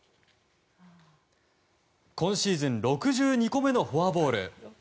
今シーズン６２個目のフォアボール。